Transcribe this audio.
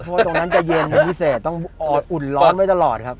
เพราะตรงนั้นจะเย็นเป็นพิเศษต้องอุ่นร้อนไว้ตลอดครับ